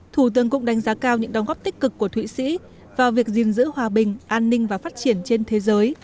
thủ tướng cũng đánh giá cao những đóng góp tích cực của thụy sĩ vào việc gìn giữ hòa bình an ninh và phát triển trên thế giới